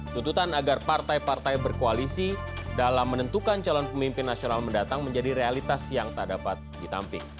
tuntutan agar partai partai berkoalisi dalam menentukan calon pemimpin nasional mendatang menjadi realitas yang tak dapat ditampik